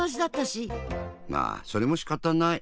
まあそれもしかたない。